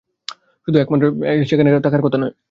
শুধুমাত্র একজনের সেখানে থাকার কথা নয়।